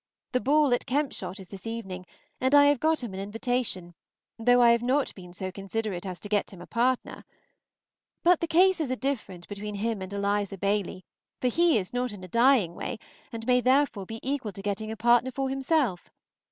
The ball at Kempshott is this evening, and I have got him an invitation, though I have not been so considerate as to get him a partner. But the cases are different between him and Eliza Bailey, for he is not in a dying way, and may therefore be equal to getting a partner for himself.